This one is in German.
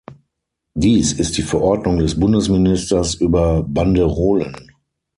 Die ist die Verordnung des Bundesministers über Banderolen.